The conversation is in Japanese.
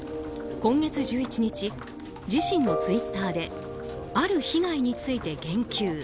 今月１１日、自身のツイッターである被害について言及。